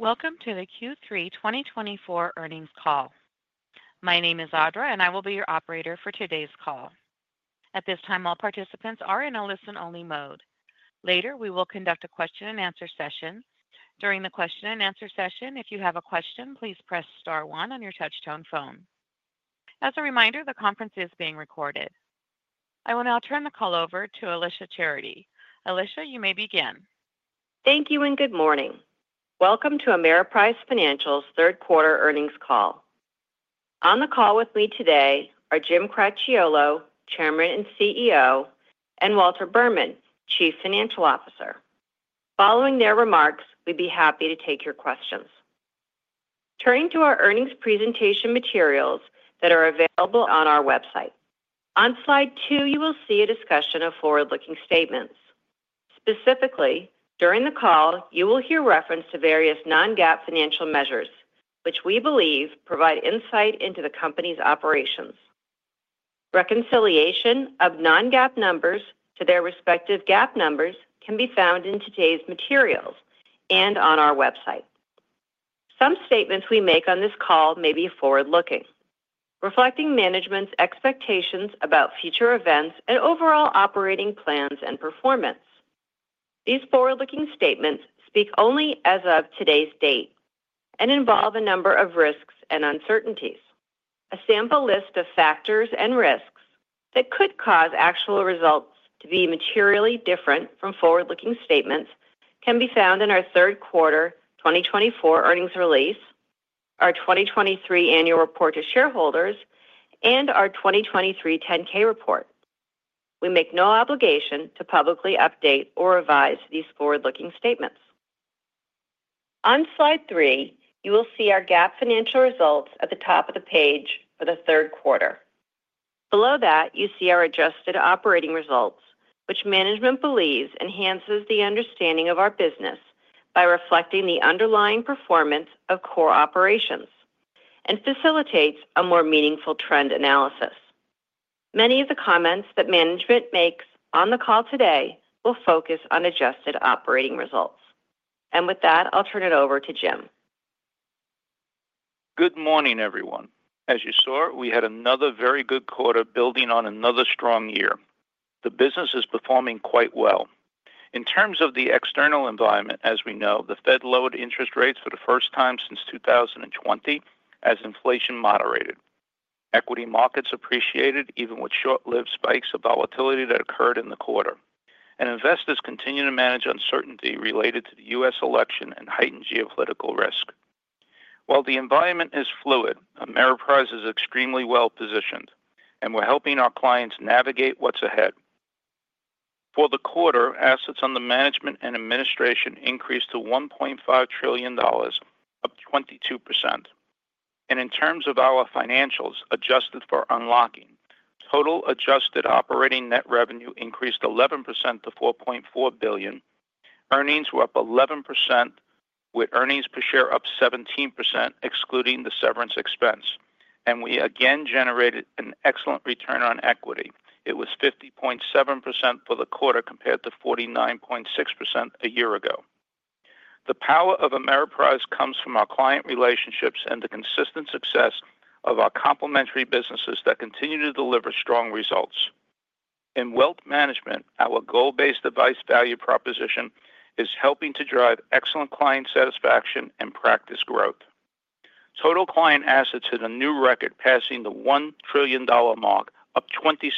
Welcome to the Q3 twenty twenty-four earnings call. My name is Audra, and I will be your operator for today's call. At this time, all participants are in a listen-only mode. Later, we will conduct a question-and-answer session. During the question-and-answer session, if you have a question, please press star one on your touchtone phone. As a reminder, the conference is being recorded. I will now turn the call over to Alicia Charity. Alicia, you may begin. Thank you and good morning. Welcome to Ameriprise Financial's third quarter earnings call. On the call with me today are Jim Cracchiolo, Chairman and CEO, and Walter Berman, Chief Financial Officer. Following their remarks, we'd be happy to take your questions. Turning to our earnings presentation materials that are available on our website. On slide two, you will see a discussion of forward-looking statements. Specifically, during the call, you will hear reference to various non-GAAP financial measures, which we believe provide insight into the company's operations. Reconciliation of non-GAAP numbers to their respective GAAP numbers can be found in today's materials and on our website. Some statements we make on this call may be forward-looking, reflecting management's expectations about future events and overall operating plans and performance. These forward-looking statements speak only as of today's date and involve a number of risks and uncertainties. A sample list of factors and risks that could cause actual results to be materially different from forward-looking statements can be found in our third quarter 2024 earnings release, our 2023 Annual Report to Shareholders, and our 2023 10-K report. We make no obligation to publicly update or revise these forward-looking statements. On slide three, you will see our GAAP financial results at the top of the page for the third quarter. Below that, you see our adjusted operating results, which management believes enhances the understanding of our business by reflecting the underlying performance of core operations and facilitates a more meaningful trend analysis. Many of the comments that management makes on the call today will focus on adjusted operating results. And with that, I'll turn it over to Jim. Good morning, everyone. As you saw, we had another very good quarter building on another strong year. The business is performing quite well. In terms of the external environment, as we know, the Fed lowered interest rates for the first time since two thousand and twenty as inflation moderated. Equity markets appreciated, even with short-lived spikes of volatility that occurred in the quarter, and investors continue to manage uncertainty related to the U.S. election and heightened geopolitical risk. While the environment is fluid, Ameriprise is extremely well-positioned, and we're helping our clients navigate what's ahead. For the quarter, assets under management and administration increased to $1.5 trillion, up 22%. And in terms of our financials, adjusted for unlocking, total adjusted operating net revenue increased 11% to $4.4 billion. Earnings were up 11%, with earnings per share up 17%, excluding the severance expense. We again generated an excellent return on equity. It was 50.7% for the quarter, compared to 49.6% a year ago. The power of Ameriprise comes from our client relationships and the consistent success of our complementary businesses that continue to deliver strong results. In wealth management, our goal-based advice value proposition is helping to drive excellent client satisfaction and practice growth. Total client assets hit a new record, passing the $1 trillion mark, up 26%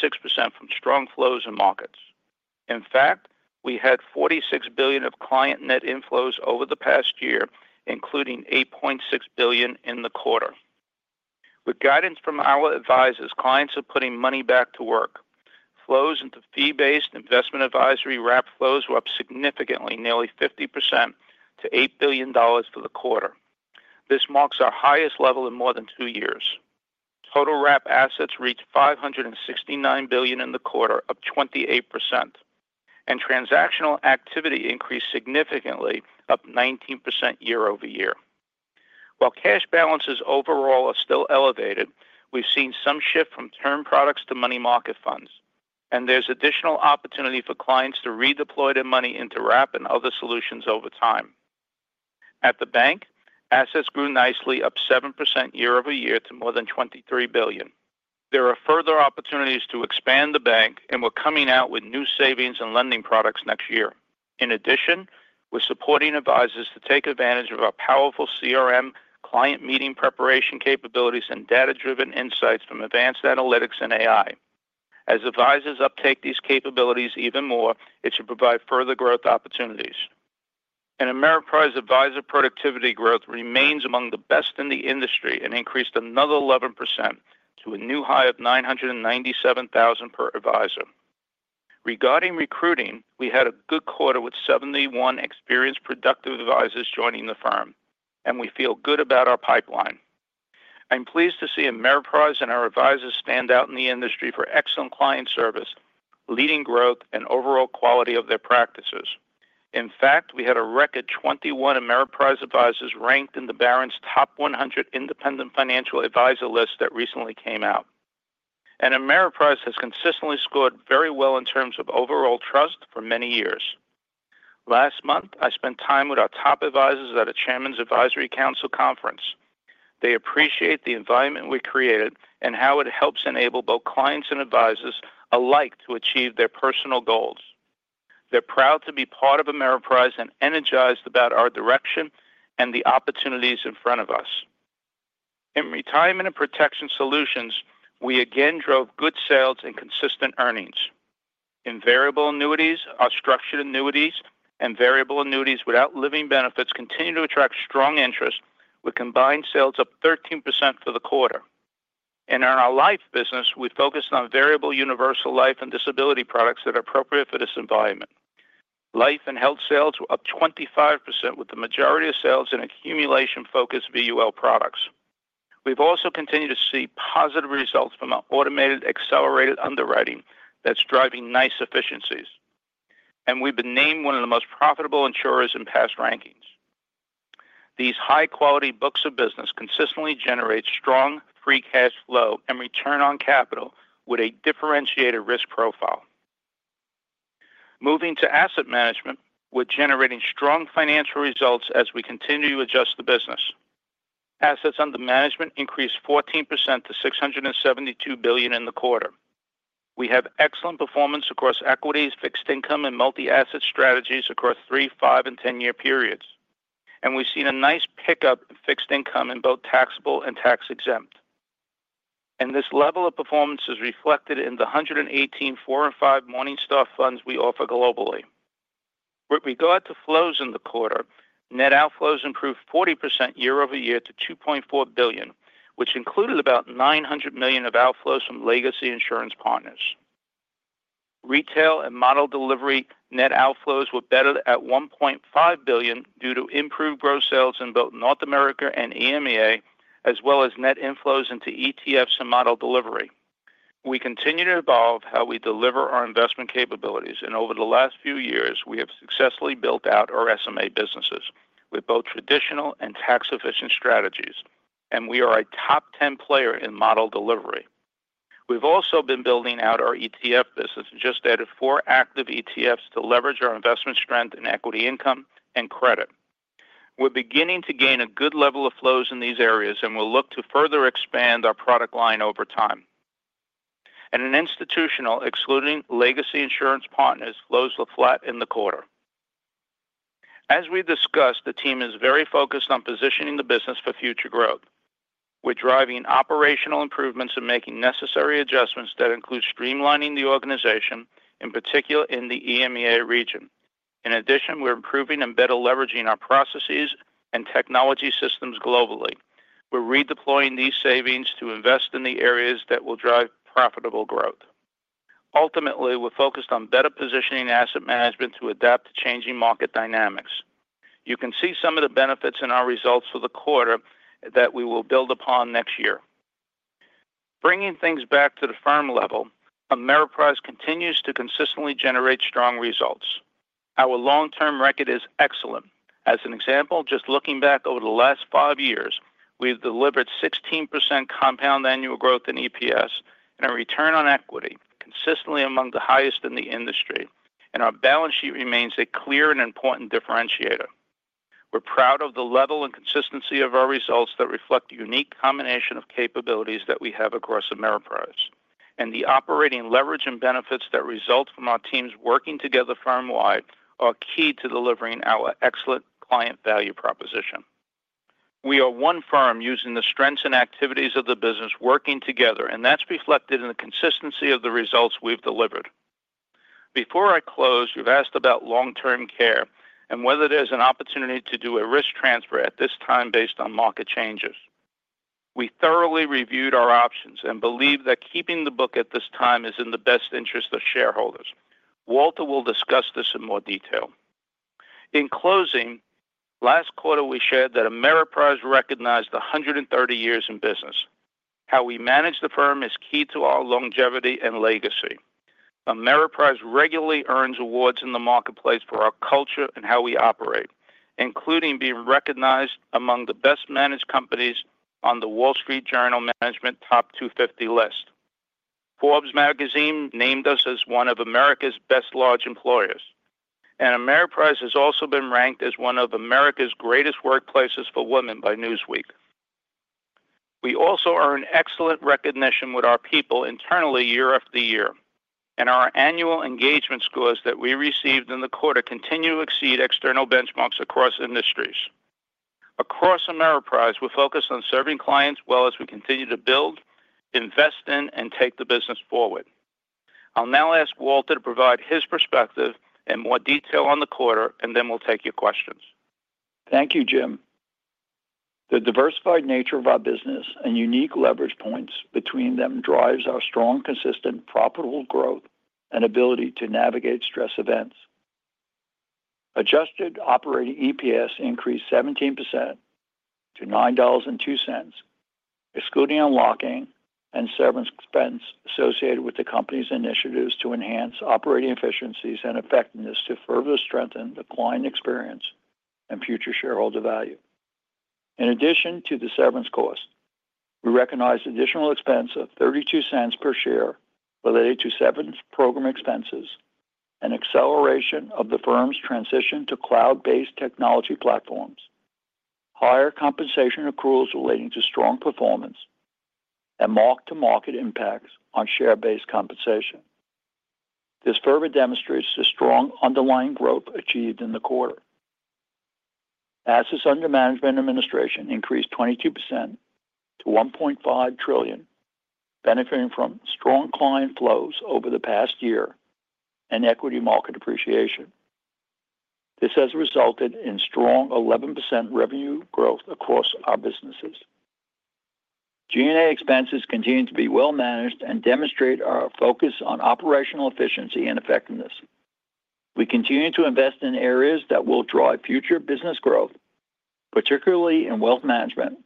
from strong flows and markets. In fact, we had $46 billion of client net inflows over the past year, including $8.6 billion in the quarter. With guidance from our advisors, clients are putting money back to work. Flows into fee-based investment advisory wrap flows were up significantly, nearly 50% to $8 billion for the quarter. This marks our highest level in more than two years. Total wrap assets reached $569 billion in the quarter, up 28%, and transactional activity increased significantly, up 19% year over year. While cash balances overall are still elevated, we've seen some shift from term products to money market funds, and there's additional opportunity for clients to redeploy their money into wrap and other solutions over time. At the bank, assets grew nicely, up 7% year over year to more than $23 billion. There are further opportunities to expand the bank, and we're coming out with new savings and lending products next year. In addition, we're supporting advisors to take advantage of our powerful CRM client meeting preparation capabilities and data-driven insights from advanced analytics and AI. As advisors uptake these capabilities even more, it should provide further growth opportunities, and Ameriprise advisor productivity growth remains among the best in the industry and increased another 11% to a new high of $997,000 per advisor. Regarding recruiting, we had a good quarter with 71 experienced, productive advisors joining the firm, and we feel good about our pipeline. I'm pleased to see Ameriprise and our advisors stand out in the industry for excellent client service, leading growth, and overall quality of their practices. In fact, we had a record 21 Ameriprise advisors ranked in the Barron's Top 100 Independent Financial Advisor list that recently came out. And Ameriprise has consistently scored very well in terms of overall trust for many years. Last month, I spent time with our top advisors at a Chairman's Advisory Council conference. They appreciate the environment we created and how it helps enable both clients and advisors alike to achieve their personal goals. They're proud to be part of Ameriprise and energized about our direction and the opportunities in front of us. In Retirement and Protection Solutions, we again drove good sales and consistent earnings. In variable annuities, our structured annuities and variable annuities without living benefits continue to attract strong interest, with combined sales up 13% for the quarter. And in our life business, we focused on variable universal life and disability products that are appropriate for this environment. Life and health sales were up 25%, with the majority of sales in accumulation-focused VUL products. We've also continued to see positive results from our automated, accelerated underwriting that's driving nice efficiencies, and we've been named one of the most profitable insurers in past rankings. These high-quality books of business consistently generate strong free cash flow and return on capital with a differentiated risk profile. Moving to asset management, we're generating strong financial results as we continue to adjust the business. Assets under management increased 14% to $672 billion in the quarter. We have excellent performance across equities, fixed income, and multi-asset strategies across three-, five-, and 10-year periods, and we've seen a nice pickup in fixed income in both taxable and tax-exempt, and this level of performance is reflected in the 118 four- and five-star Morningstar funds we offer globally. With regard to flows in the quarter, net outflows improved 40% year over year to $2.4 billion, which included about $900 million of outflows from legacy insurance partners. Retail and model delivery net outflows were better at $1.5 billion due to improved gross sales in both North America and EMEA, as well as net inflows into ETFs and model delivery. We continue to evolve how we deliver our investment capabilities, and over the last few years, we have successfully built out our SMA businesses with both traditional and tax-efficient strategies, and we are a top 10 player in model delivery. We've also been building out our ETF business and just added four active ETFs to leverage our investment strength in equity income and credit. We're beginning to gain a good level of flows in these areas, and we'll look to further expand our product line over time. In institutional, excluding legacy insurance partners, flows were flat in the quarter. As we discussed, the team is very focused on positioning the business for future growth. We're driving operational improvements and making necessary adjustments that include streamlining the organization, in particular in the EMEA region. In addition, we're improving and better leveraging our processes and technology systems globally. We're redeploying these savings to invest in the areas that will drive profitable growth. Ultimately, we're focused on better positioning asset management to adapt to changing market dynamics. You can see some of the benefits in our results for the quarter that we will build upon next year. Bringing things back to the firm level, Ameriprise continues to consistently generate strong results. Our long-term record is excellent. As an example, just looking back over the last five years, we've delivered 16% compound annual growth in EPS and a return on equity consistently among the highest in the industry, and our balance sheet remains a clear and important differentiator. We're proud of the level and consistency of our results that reflect the unique combination of capabilities that we have across Ameriprise, and the operating leverage and benefits that result from our teams working together firm-wide are key to delivering our excellent client value proposition. We are one firm using the strengths and activities of the business working together, and that's reflected in the consistency of the results we've delivered. Before I close, you've asked about long-term care and whether there's an opportunity to do a risk transfer at this time based on market changes. We thoroughly reviewed our options and believe that keeping the book at this time is in the best interest of shareholders. Walter will discuss this in more detail. In closing, last quarter, we shared that Ameriprise recognized 130 years in business. How we manage the firm is key to our longevity and legacy. Ameriprise regularly earns awards in the marketplace for our culture and how we operate, including being recognized among the best-managed companies on The Wall Street Journal Management Top 250 list. Forbes Magazine named us as one of America's best large employers, and Ameriprise has also been ranked as one of America's greatest workplaces for women by Newsweek. We also earn excellent recognition with our people internally year after year, and our annual engagement scores that we received in the quarter continue to exceed external benchmarks across industries. Across Ameriprise, we're focused on serving clients well as we continue to build, invest in, and take the business forward. I'll now ask Walter to provide his perspective in more detail on the quarter, and then we'll take your questions. Thank you, Jim. The diversified nature of our business and unique leverage points between them drives our strong, consistent, profitable growth and ability to navigate stress events. Adjusted operating EPS increased 17% to $9.02, excluding unlocking and severance expense associated with the company's initiatives to enhance operating efficiencies and effectiveness to further strengthen the client experience and future shareholder value. In addition to the severance cost, we recognized additional expense of $0.32 per share related to severance program expenses and acceleration of the firm's transition to cloud-based technology platforms, higher compensation accruals relating to strong performance, and mark-to-market impacts on share-based compensation. This further demonstrates the strong underlying growth achieved in the quarter. Assets under management and administration increased 22% to $1.5 trillion, benefiting from strong client flows over the past year and equity market appreciation. This has resulted in strong 11% revenue growth across our businesses. G&A expenses continue to be well managed and demonstrate our focus on operational efficiency and effectiveness. We continue to invest in areas that will drive future business growth, particularly in wealth management,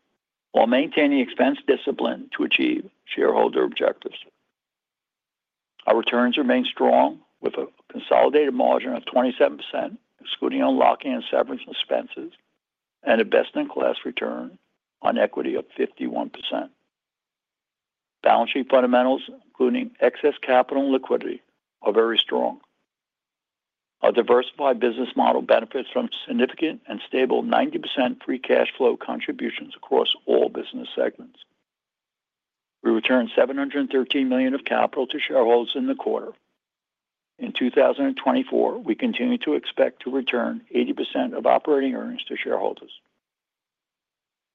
while maintaining expense discipline to achieve shareholder objectives. Our returns remain strong, with a consolidated margin of 27%, excluding unlocking and severance expenses, and a best-in-class return on equity of 51%. Balance sheet fundamentals, including excess capital and liquidity, are very strong. Our diversified business model benefits from significant and stable 90% free cash flow contributions across all business segments. We returned $713 million of capital to shareholders in the quarter. In 2024, we continue to expect to return 80% of operating earnings to shareholders.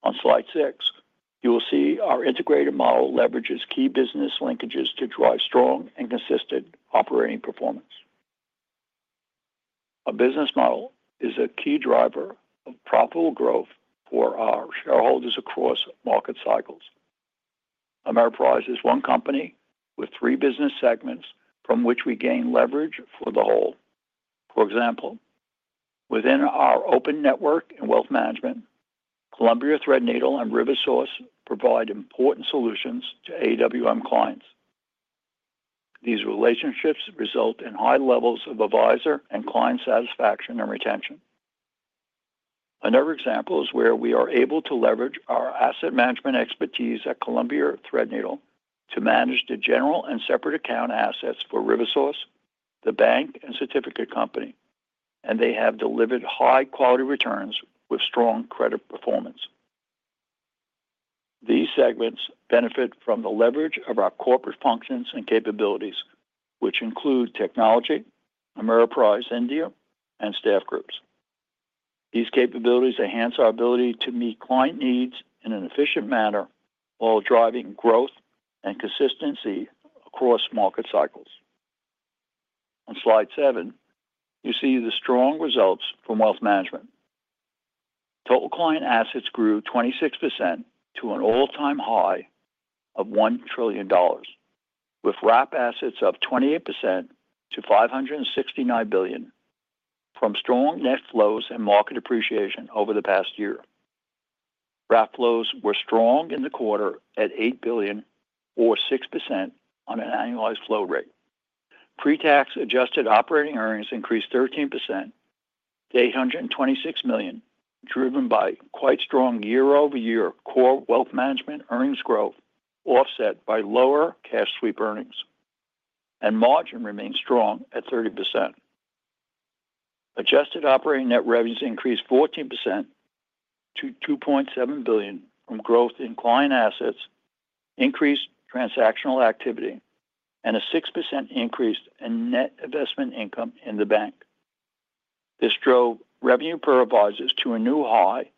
On slide six, you will see our integrated model leverages key business linkages to drive strong and consistent operating performance. Our business model is a key driver of profitable growth for our shareholders across market cycles. Ameriprise is one company with three business segments from which we gain leverage for the whole. For example, within our open network in wealth management, Columbia Threadneedle and RiverSource provide important solutions to AWM clients. These relationships result in high levels of advisor and client satisfaction and retention. Another example is where we are able to leverage our asset management expertise at Columbia Threadneedle to manage the general and separate account assets for RiverSource, the bank, and certificate company, and they have delivered high-quality returns with strong credit performance. These segments benefit from the leverage of our corporate functions and capabilities, which include technology, Ameriprise India, and staff groups. These capabilities enhance our ability to meet client needs in an efficient manner while driving growth and consistency across market cycles. On slide seven, you see the strong results from wealth management. Total client assets grew 26% to an all-time high of $1 trillion, with wrap assets up 28% to $569 billion from strong net flows and market appreciation over the past year. Wrap flows were strong in the quarter at $8 billion or 6% on an annualized flow rate. Pre-tax adjusted operating earnings increased 13% to $826 million, driven by quite strong year-over-year core wealth management earnings growth, offset by lower cash sweep earnings, and margin remained strong at 30%. Adjusted operating net revenues increased 14% to $2.7 billion from growth in client assets, increased transactional activity, and a 6% increase in net investment income in the bank. This drove revenue per advisors to a new high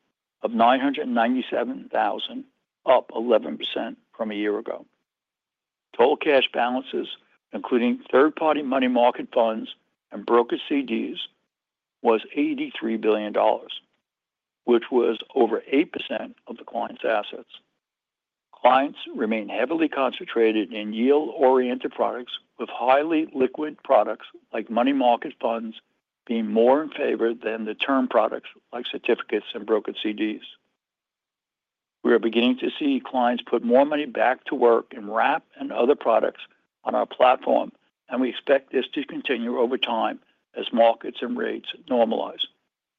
of $997,000, up 11% from a year ago. Total cash balances, including third-party money market funds and brokered CDs, was $83 billion, which was over 8% of the clients' assets. Clients remain heavily concentrated in yield-oriented products, with highly liquid products like money market funds being more in favor than the term products like certificates and brokered CDs. We are beginning to see clients put more money back to work in wrap and other products on our platform, and we expect this to continue over time as markets and rates normalize,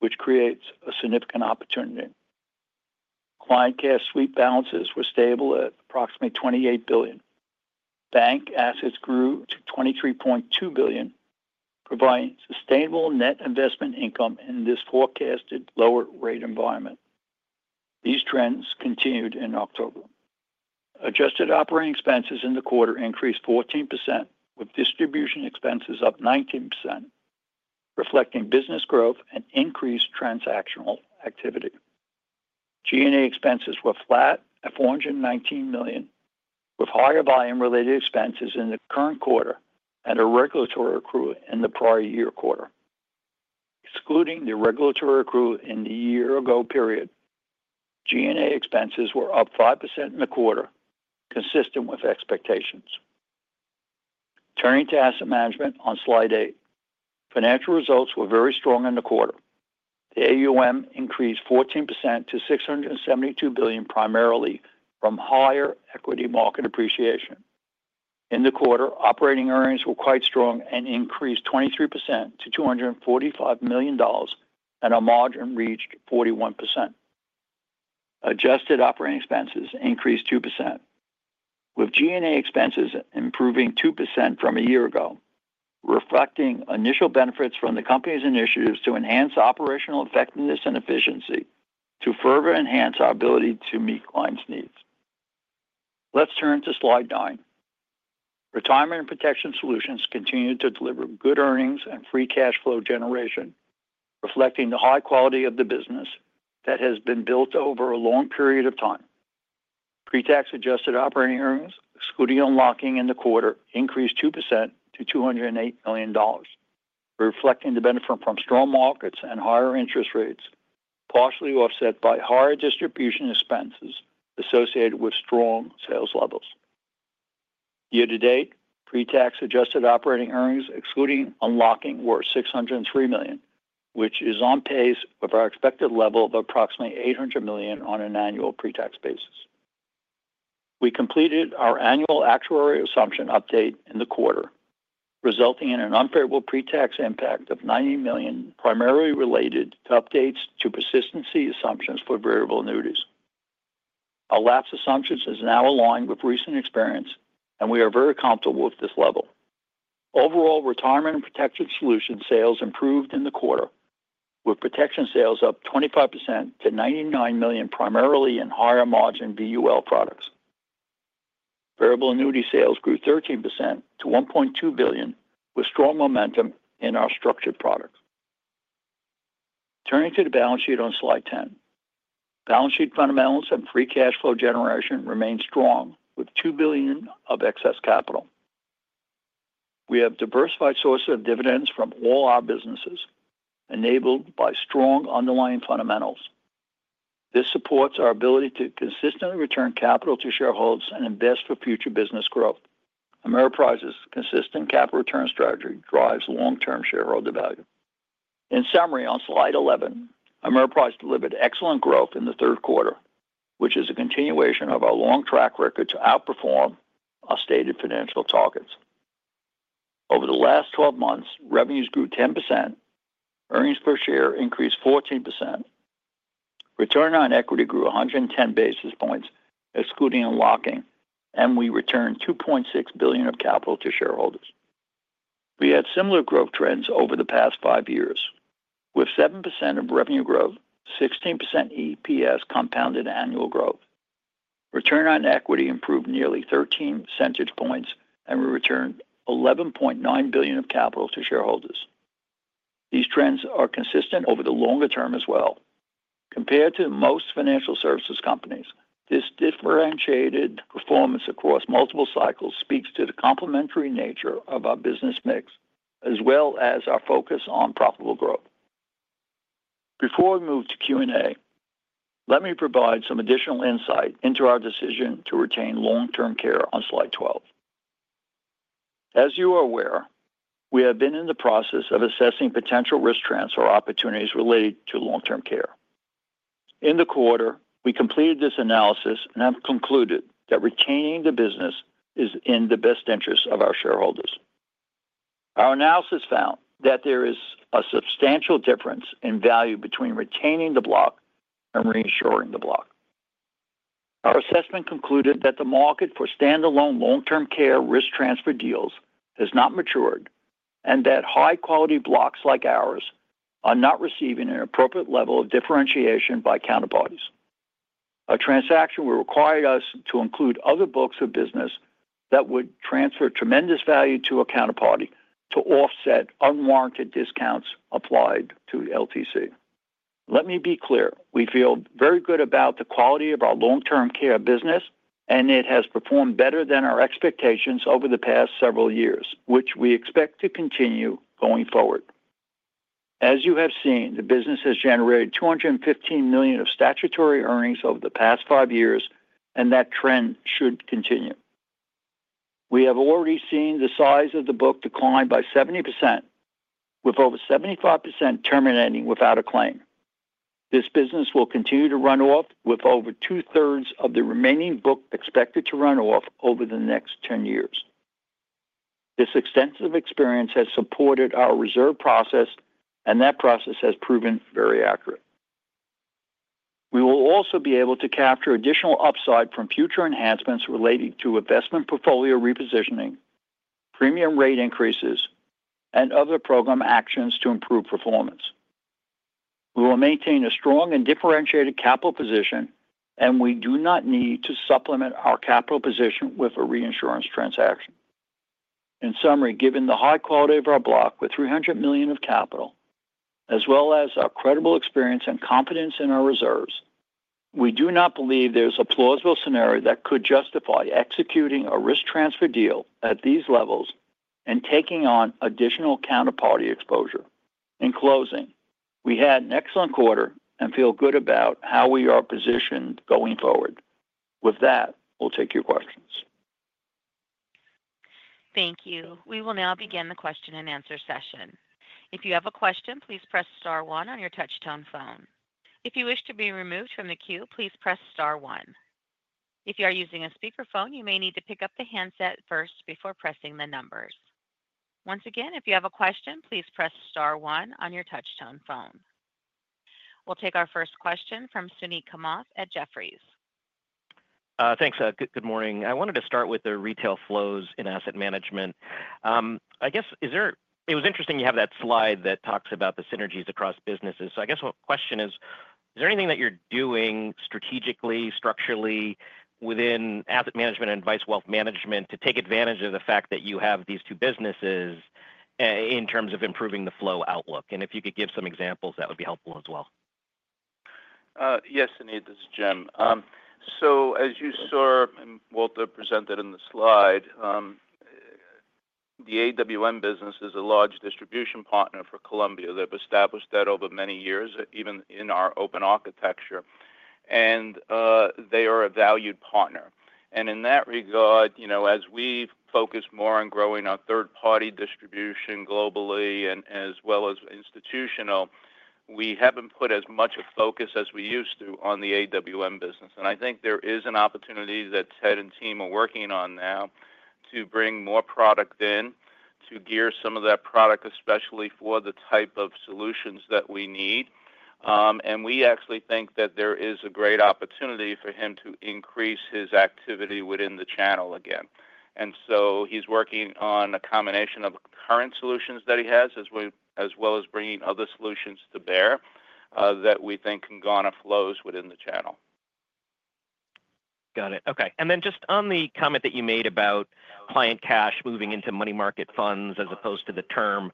which creates a significant opportunity. Client cash sweep balances were stable at approximately $28 billion. Bank assets grew to $23.2 billion, providing sustainable net investment income in this forecasted lower rate environment. These trends continued in October. Adjusted operating expenses in the quarter increased 14%, with distribution expenses up 19%, reflecting business growth and increased transactional activity. G&A expenses were flat at $419 million, with higher volume-related expenses in the current quarter and a regulatory accrual in the prior year quarter. Excluding the regulatory accrual in the year-ago period, G&A expenses were up 5% in the quarter, consistent with expectations. Turning to asset management on slide eight. Financial results were very strong in the quarter. The AUM increased 14% to $672 billion, primarily from higher equity market appreciation.... In the quarter, operating earnings were quite strong and increased 23% to $245 million, and our margin reached 41%. Adjusted operating expenses increased 2%, with G&A expenses improving 2% from a year ago, reflecting initial benefits from the company's initiatives to enhance operational effectiveness and efficiency to further enhance our ability to meet clients' needs. Let's turn to slide nine. Retirement and Protection Solutions continued to deliver good earnings and free cash flow generation, reflecting the high quality of the business that has been built over a long period of time. Pre-tax adjusted operating earnings, excluding unlocking in the quarter, increased 2% to $208 million, reflecting the benefit from strong markets and higher interest rates, partially offset by higher distribution expenses associated with strong sales levels. Year to date, pre-tax adjusted operating earnings, excluding unlocking, were $603 million, which is on pace with our expected level of approximately $800 million on an annual pre-tax basis. We completed our annual actuarial assumption update in the quarter, resulting in an unfavorable pre-tax impact of $90 million, primarily related to updates to persistency assumptions for variable annuities. Our lapse assumptions is now aligned with recent experience, and we are very comfortable with this level. Overall, Retirement and Protection Solutions sales improved in the quarter, with protection sales up 25% to $99 million, primarily in higher margin VUL products. Variable annuity sales grew 13% to $1.2 billion, with strong momentum in our structured products. Turning to the balance sheet on slide 10. Balance sheet fundamentals and free cash flow generation remained strong, with $2 billion of excess capital. We have diversified sources of dividends from all our businesses, enabled by strong underlying fundamentals. This supports our ability to consistently return capital to shareholders and invest for future business growth. Ameriprise's consistent capital return strategy drives long-term shareholder value. In summary, on slide 11, Ameriprise delivered excellent growth in the third quarter, which is a continuation of our long track record to outperform our stated financial targets. Over the last 12 months, revenues grew 10%, earnings per share increased 14%, return on equity grew one hundred and ten basis points, excluding unlocking, and we returned $2.6 billion of capital to shareholders. We had similar growth trends over the past 5 years, with 7% of revenue growth, 16% EPS compounded annual growth. Return on equity improved nearly thirteen percentage points, and we returned $11.9 billion of capital to shareholders. These trends are consistent over the longer term as well. Compared to most financial services companies, this differentiated performance across multiple cycles speaks to the complementary nature of our business mix, as well as our focus on profitable growth. Before we move to Q&A, let me provide some additional insight into our decision to retain long-term care on slide twelve. As you are aware, we have been in the process of assessing potential risk transfer opportunities related to long-term care. In the quarter, we completed this analysis and have concluded that retaining the business is in the best interest of our shareholders. Our analysis found that there is a substantial difference in value between retaining the block and reinsuring the block. Our assessment concluded that the market for standalone long-term care risk transfer deals has not matured, and that high-quality blocks like ours are not receiving an appropriate level of differentiation by counterparties. A transaction will require us to include other books of business that would transfer tremendous value to a counterparty to offset unwarranted discounts applied to LTC. Let me be clear, we feel very good about the quality of our long-term care business, and it has performed better than our expectations over the past several years, which we expect to continue going forward. As you have seen, the business has generated 215 million of statutory earnings over the past five years, and that trend should continue. We have already seen the size of the book decline by 70%, with over 75% terminating without a claim. This business will continue to run off, with over two-thirds of the remaining book expected to run off over the next ten years. This extensive experience has supported our reserve process, and that process has proven very accurate. We will also be able to capture additional upside from future enhancements relating to investment portfolio repositioning, premium rate increases, and other program actions to improve performance. We will maintain a strong and differentiated capital position, and we do not need to supplement our capital position with a reinsurance transaction. In summary, given the high quality of our block, with $300 million of capital, as well as our credible experience and confidence in our reserves, we do not believe there's a plausible scenario that could justify executing a risk transfer deal at these levels and taking on additional counterparty exposure. In closing, we had an excellent quarter and feel good about how we are positioned going forward. With that, we'll take your questions. Thank you. We will now begin the question and answer session. If you have a question, please press star one on your touchtone phone. If you wish to be removed from the queue, please press star one. If you are using a speakerphone, you may need to pick up the handset first before pressing the numbers. Once again, if you have a question, please press star one on your touchtone phone. We'll take our first question from Suneet Kamath at Jefferies. Thanks, good morning. I wanted to start with the retail flows in asset management. I guess it was interesting you have that slide that talks about the synergies across businesses. So I guess my question is, is there anything that you're doing strategically, structurally within asset management and wealth management to take advantage of the fact that you have these two businesses, in terms of improving the flow outlook? And if you could give some examples, that would be helpful as well. Yes, Sunil, this is Jim. So as you saw and Walter presented in the slide, the AWM business is a large distribution partner for Columbia. They've established that over many years, even in our open architecture, and they are a valued partner. And in that regard, you know, as we've focused more on growing our third-party distribution globally and as well as institutional, we haven't put as much of focus as we used to on the AWM business. And I think there is an opportunity that Ted and team are working on now to bring more product in, to gear some of that product, especially for the type of solutions that we need. And we actually think that there is a great opportunity for him to increase his activity within the channel again. And so he's working on a combination of current solutions that he has, as well as bringing other solutions to bear, that we think can garner flows within the channel. Got it. Okay. And then just on the comment that you made about client cash moving into money market funds as opposed to the term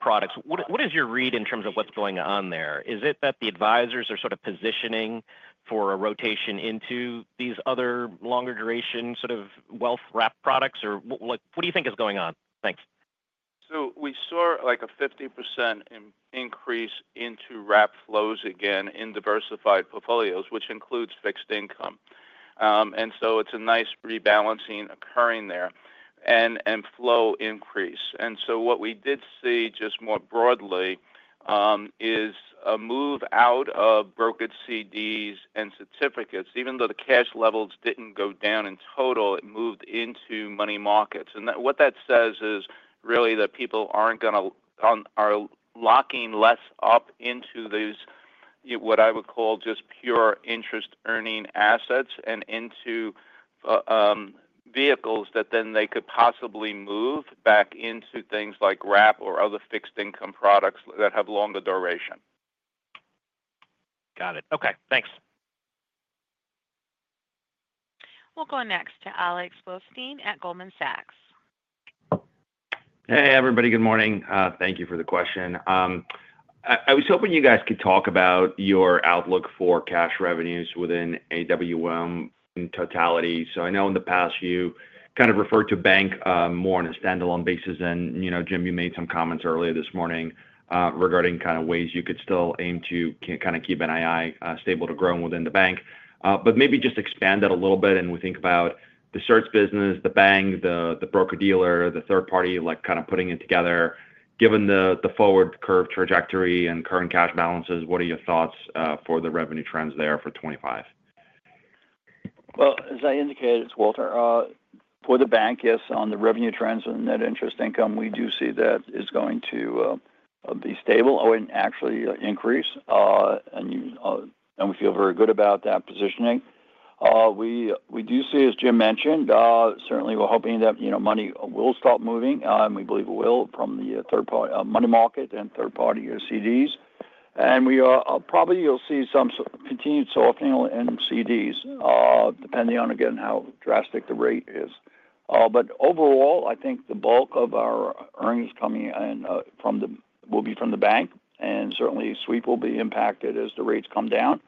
products, what, what is your read in terms of what's going on there? Is it that the advisors are sort of positioning for a rotation into these other longer duration, sort of wealth-wrapped products? Or what, what do you think is going on? Thanks. We saw, like, a 50% increase into wrap flows again in diversified portfolios, which includes fixed income. It's a nice rebalancing occurring there and flow increase. What we did see, just more broadly, is a move out of brokered CDs and certificates. Even though the cash levels didn't go down in total, it moved into money markets. What that says is really that people aren't gonna are locking less up into these, what I would call, just pure interest-earning assets and into vehicles that then they could possibly move back into things like wrap or other fixed income products that have longer duration. Got it. Okay, thanks. We'll go next to Alex Blostein at Goldman Sachs. Hey, everybody. Good morning. Thank you for the question. I was hoping you guys could talk about your outlook for cash revenues within AWM in totality. So I know in the past, you kind of referred to bank more on a standalone basis. And, you know, Jim, you made some comments earlier this morning regarding kind of ways you could still aim to kind of keep NII stable to growing within the bank. But maybe just expand that a little bit, and we think about the certs business, the bank, the broker-dealer, the third party, like, kind of putting it together. Given the forward curve trajectory and current cash balances, what are your thoughts for the revenue trends there for twenty-five? As I indicated, it's Walter. For the bank, yes, on the revenue trends and net interest income, we do see that it's going to be stable or actually increase. We feel very good about that positioning. We do see, as Jim mentioned, certainly we're hoping that, you know, money will stop moving, and we believe it will, from the third party money market and third-party CDs. Probably you'll see some continued softening in CDs, depending on, again, how drastic the rate is. Overall, I think the bulk of our earnings coming in will be from the bank, and certainly sweep will be impacted as the rates come down,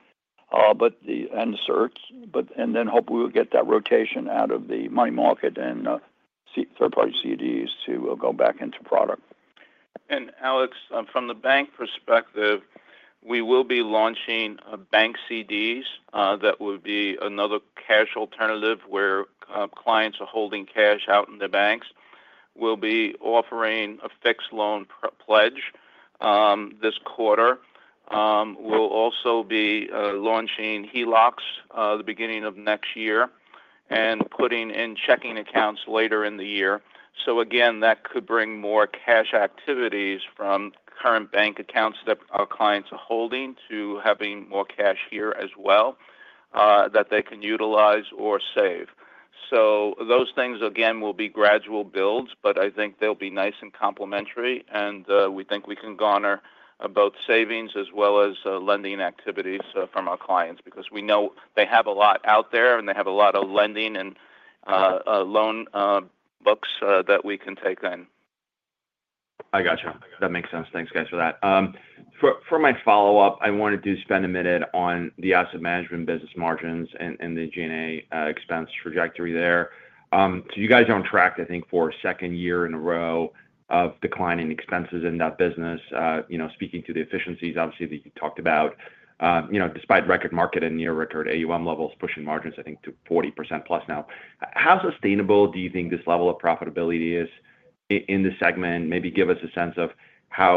but the certs. But and then hopefully we'll get that rotation out of the money market and third-party CDs to go back into product. Alex, from the bank perspective, we will be launching bank CDs. That would be another cash alternative where clients are holding cash out in the banks. We'll be offering a fixed loan pledge this quarter. We'll also be launching HELOCs the beginning of next year and putting in checking accounts later in the year. So again, that could bring more cash activities from current bank accounts that our clients are holding to having more cash here as well that they can utilize or save. So those things, again, will be gradual builds, but I think they'll be nice and complementary, and we think we can garner both savings as well as lending activities from our clients. Because we know they have a lot out there, and they have a lot of lending and loan books that we can take in. I gotcha. That makes sense. Thanks, guys, for that. For my follow-up, I wanted to spend a minute on the asset management business margins and the G&A expense trajectory there. So you guys are on track, I think, for a second year in a row of declining expenses in that business. You know, speaking to the efficiencies, obviously, that you talked about, you know, despite record market and near record AUM levels, pushing margins, I think to 40% plus now. How sustainable do you think this level of profitability is?... in the segment, maybe give us a sense of how,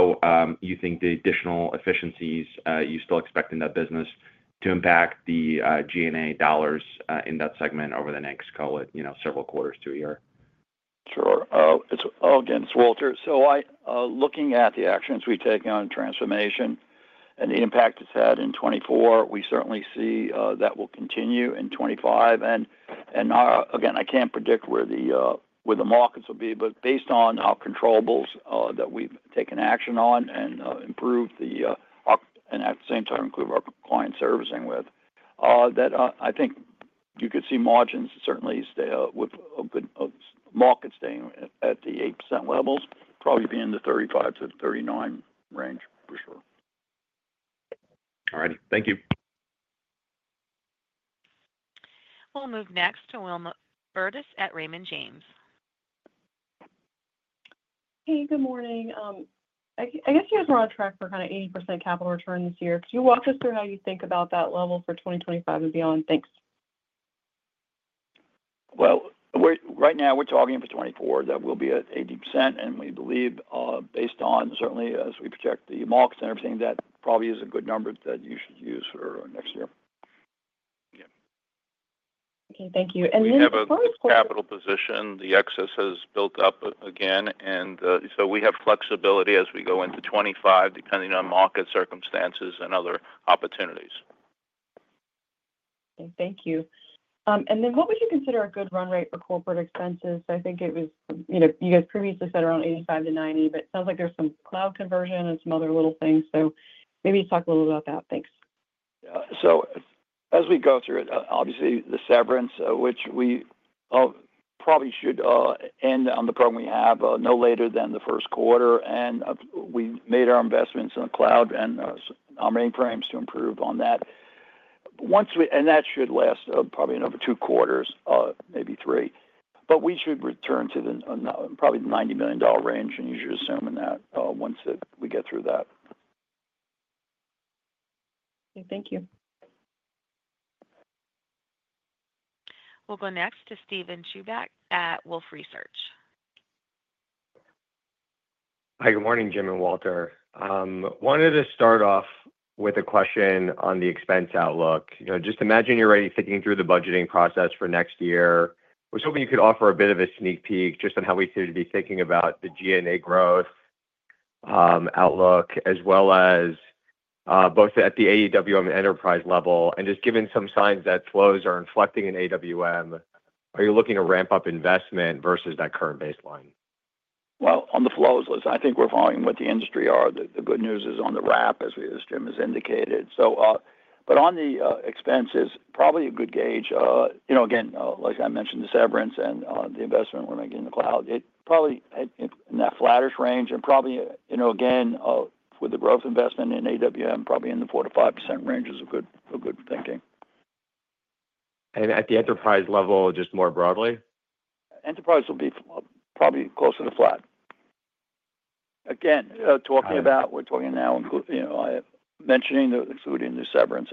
you think the additional efficiencies, you still expect in that business to impact the, G&A dollars, in that segment over the next, call it, you know, several quarters to a year? Sure. It's, again, it's Walter. So looking at the actions we've taken on transformation and the impact it's had in 2024, we certainly see that will continue in 2025. And, again, I can't predict where the markets will be, but based on our controllables that we've taken action on and improved the opex and at the same time, improved our client servicing with that, I think you could see margins certainly stay with a good market staying at the 8% levels, probably be in the 35-39 range, for sure. All right. Thank you. We'll move next to Wilma Burdis at Raymond James. Hey, good morning. I guess you guys are on track for kind of 80% capital return this year. Could you walk us through how you think about that level for 2025 and beyond? Thanks. We're right now, we're talking for 2024, that we'll be at 80%, and we believe, based on certainly as we project the markets and everything, that probably is a good number that you should use for next year. Yeah. Okay. Thank you. And then- We have a capital position. The excess has built up again, and so we have flexibility as we go into 2025, depending on market circumstances and other opportunities. Okay, thank you. And then what would you consider a good run rate for corporate expenses? I think it was, you know, you guys previously said around 85-90, but it sounds like there's some cloud conversion and some other little things. So maybe talk a little about that. Thanks. Yeah. So as we go through it, obviously, the severance, which we probably should end on the program we have, no later than the first quarter, and we made our investments in the cloud and our mainframes to improve on that. Once we and that should last, probably another two quarters, maybe three. But we should return to probably the $90 million range, and you should assume in that, once we get through that. Okay. Thank you. We'll go next to Steven Chubak at Wolfe Research. Hi. Good morning, Jim and Walter. Wanted to start off with a question on the expense outlook. You know, just imagine you're already thinking through the budgeting process for next year. I was hoping you could offer a bit of a sneak peek just on how we seem to be thinking about the G&A growth outlook, as well as both at the AWM enterprise level. And just given some signs that flows are inflecting in AWM, are you looking to ramp up investment versus that current baseline? On the flows, I think we're following what the industry are. The good news is on the wrap, as Jim has indicated. So, but on the expenses, probably a good gauge, you know, again, like I mentioned, the severance and the investment we're making in the cloud, it probably had in that flattish range and probably, you know, again, with the growth investment in AWM, probably in the 4%-5% range is a good thinking. At the enterprise level, just more broadly? Enterprise will be probably closer to flat. Again, talking about- Got it. We're talking now, you know, mentioning including the severance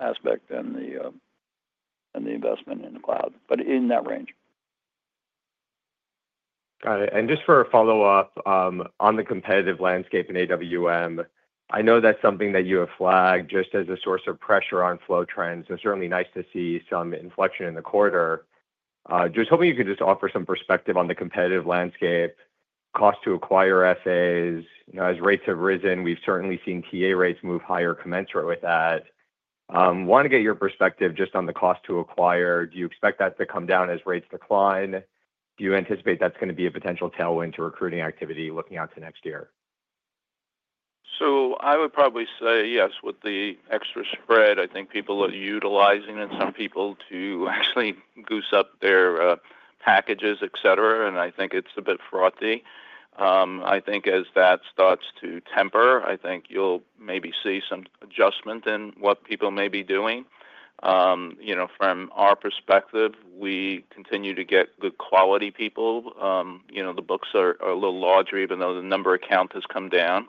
aspect and the investment in the cloud, but in that range. Got it. And just for a follow-up, on the competitive landscape in AWM, I know that's something that you have flagged just as a source of pressure on flow trends, so certainly nice to see some inflection in the quarter. Just hoping you could just offer some perspective on the competitive landscape, cost to acquire FAs. You know, as rates have risen, we've certainly seen TA rates move higher commensurate with that. Wanted to get your perspective just on the cost to acquire. Do you expect that to come down as rates decline? Do you anticipate that's going to be a potential tailwind to recruiting activity looking out to next year? So I would probably say yes. With the extra spread, I think people are utilizing it, some people, to actually goose up their packages, et cetera, and I think it's a bit frothy. I think as that starts to temper, I think you'll maybe see some adjustment in what people may be doing. You know, from our perspective, we continue to get good quality people. You know, the books are a little larger, even though the number of accounts has come down.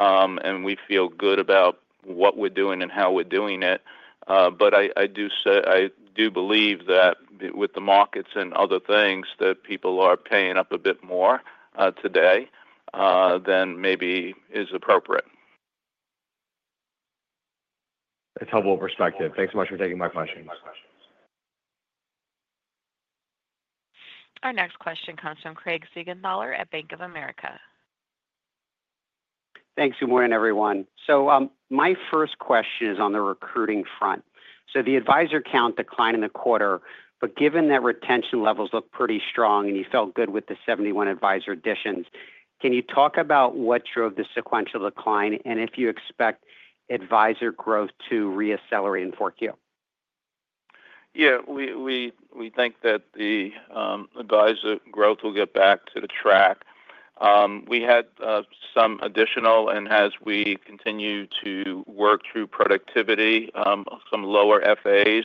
And we feel good about what we're doing and how we're doing it. But I do believe that with the markets and other things, that people are paying up a bit more today than maybe is appropriate. It's helpful perspective. Thanks so much for taking my questions. Our next question comes from Craig Siegenthaler at Bank of America. Thanks. Good morning, everyone. So, my first question is on the recruiting front. So the advisor count declined in the quarter, but given that retention levels look pretty strong and you felt good with the seventy-one advisor additions, can you talk about what drove the sequential decline, and if you expect advisor growth to reaccelerate in fourth Q? Yeah, we think that the advisor growth will get back to the track. We had some additional, and as we continue to work through productivity, some lower FAs,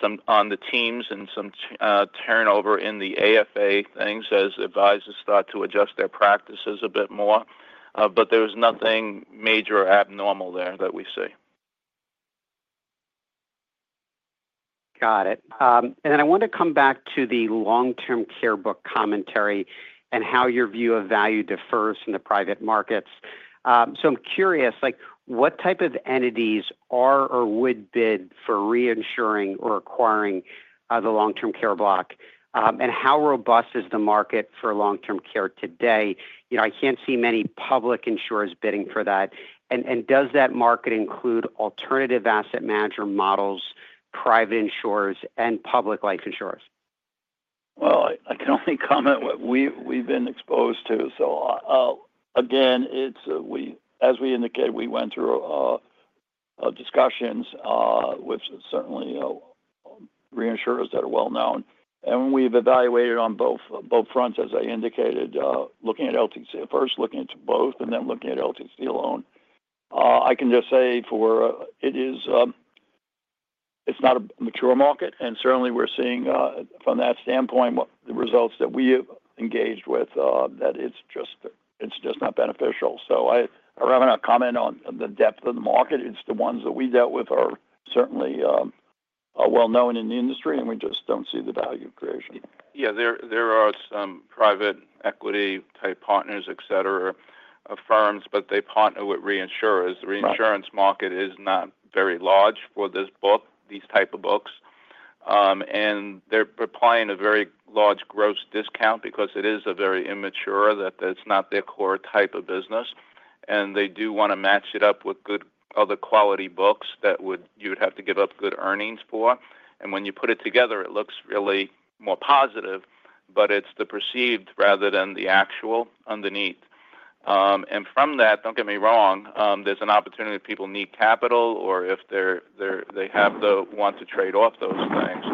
some on the teams and some turnover in the AFA things as advisors start to adjust their practices a bit more. But there was nothing major or abnormal there that we see.... Got it. And then I want to come back to the long-term care book commentary and how your view of value differs from the private markets. So I'm curious, like, what type of entities are or would bid for reinsuring or acquiring the long-term care block? And how robust is the market for long-term care today? You know, I can't see many public insurers bidding for that. And does that market include alternative asset manager models, private insurers, and public life insurers? I can only comment what we've been exposed to. So, again, as we indicated, we went through discussions with certainly, you know, reinsurers that are well known, and we've evaluated on both fronts, as I indicated, looking at LTC. First, looking into both, and then looking at LTC alone. I can just say it is not a mature market, and certainly we're seeing from that standpoint what the results that we have engaged with that it's just not beneficial. So I rather not comment on the depth of the market. It's the ones that we dealt with are certainly well known in the industry, and we just don't see the value creation. Yeah, there are some private equity-type partners, et cetera, firms, but they partner with reinsurers. Right. The reinsurance market is not very large for this book, these type of books, and they're applying a very large gross discount because it is a very immature, that it's not their core type of business, and they do want to match it up with good other quality books that you would have to give up good earnings for. When you put it together, it looks really more positive, but it's the perceived rather than the actual underneath, and from that, don't get me wrong, there's an opportunity that people need capital or if they're, they have the want to trade off those things.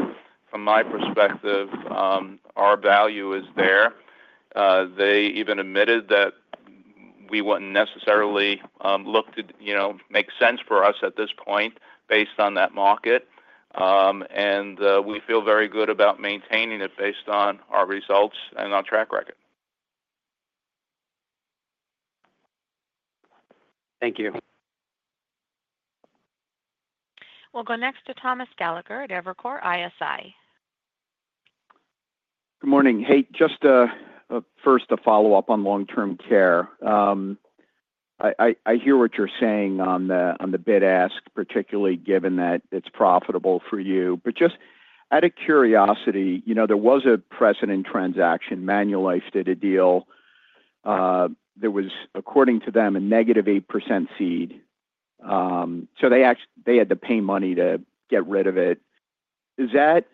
From my perspective, our value is there. They even admitted that we wouldn't necessarily look to, you know, make sense for us at this point based on that market, and we feel very good about maintaining it based on our results and our track record. Thank you. We'll go next to Thomas Gallagher at Evercore ISI. Good morning. Hey, just first, a follow-up on long-term care. I hear what you're saying on the bid ask, particularly given that it's profitable for you. But just out of curiosity, you know, there was a precedent transaction. Manulife did a deal, there was, according to them, a negative 8% cede, so they had to pay money to get rid of it. Is that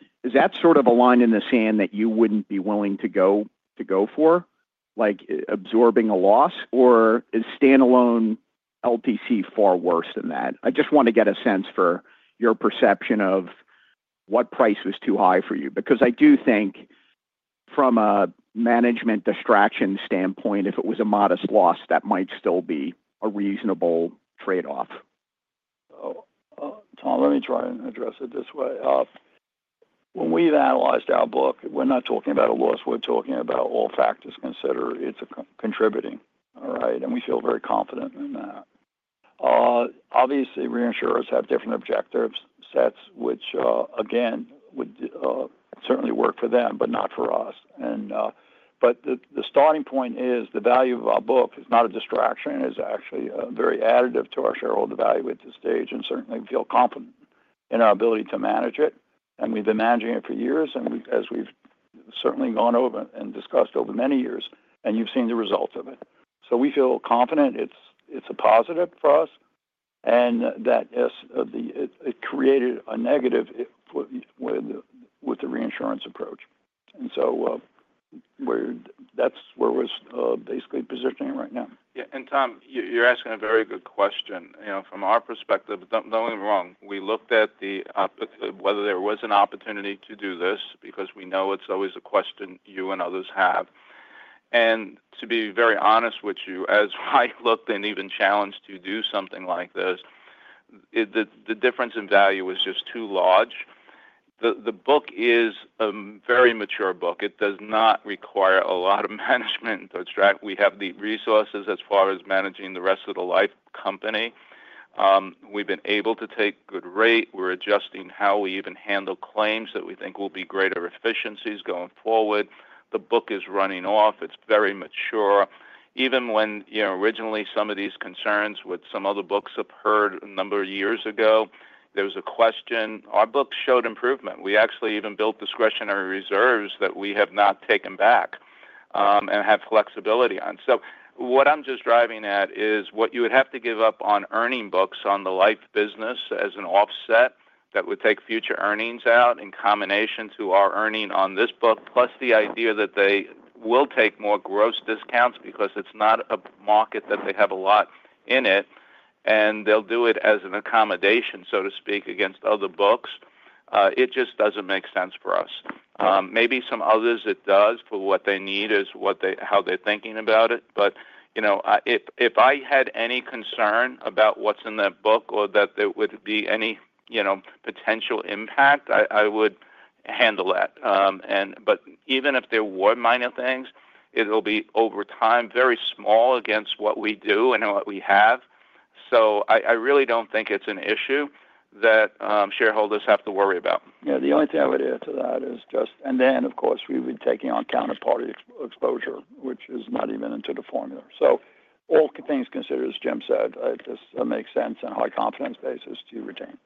sort of a line in the sand that you wouldn't be willing to go for, like, absorbing a loss? Or is standalone LTC far worse than that? I just want to get a sense for your perception of what price was too high for you, because I do think from a management distraction standpoint, if it was a modest loss, that might still be a reasonable trade-off. So, Tom, let me try and address it this way. When we've analyzed our book, we're not talking about a loss, we're talking about all factors considered, it's a contributing, all right, and we feel very confident in that. Obviously, reinsurers have different objective sets, which again would certainly work for them, but not for us. And but the starting point is the value of our book is not a distraction. It's actually very additive to our shareholder value at this stage, and certainly we feel confident in our ability to manage it, and we've been managing it for years, and as we've certainly gone over and discussed over many years, and you've seen the results of it. So we feel confident it's a positive for us, and that yes, it created a negative with the reinsurance approach. And so, that's where we're basically positioning right now. Yeah, and Tom, you're asking a very good question. You know, from our perspective, nothing wrong. We looked at whether there was an opportunity to do this because we know it's always a question you and others have, and to be very honest with you, as I looked and even challenged to do something like this, the difference in value is just too large. The book is a very mature book. It does not require a lot of management to attract. We have the resources as far as managing the rest of the life company. We've been able to take good rate. We're adjusting how we even handle claims that we think will be greater efficiencies going forward. The book is running off. It's very mature. Even when, you know, originally some of these concerns with some other books have heard a number of years ago, there was a question. Our books showed improvement. We actually even built discretionary reserves that we have not taken back, and have flexibility on. So what I'm just driving at is what you would have to give up on earning books on the life business as an offset that would take future earnings out in combination to our earning on this book, plus the idea that they will take more gross discounts because it's not a market that they have a lot in it, and they'll do it as an accommodation, so to speak, against other books. It just doesn't make sense for us. Maybe some others it does, for what they need is what they, how they're thinking about it. But, you know, if I had any concern about what's in that book or that there would be any, you know, potential impact, I would handle that. But even if there were minor things, it'll be over time, very small against what we do and what we have. So I really don't think it's an issue that shareholders have to worry about. Yeah, the only thing I would add to that is just, and then, of course, we've been taking on counterparty exposure, which is not even in the formula. So all things considered, as Jim said, this makes sense on a high confidence basis to retain.